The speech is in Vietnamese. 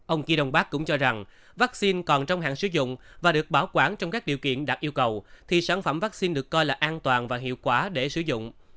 ông kỳ đông bắc cũng cho rằng vaccine còn trong hạn sử dụng và được bảo quản trong các điều kiện đạt yêu cầu thì sản phẩm vaccine được coi là an toàn và hiệu quả để sử dụng